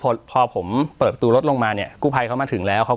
พอผมเปิดตู้รถลงมาเนี้ยกู้ไพเขามาถึงแล้วเขา